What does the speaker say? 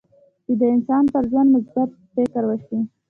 چې د انسان پر ژوند مثبت فکر وشي.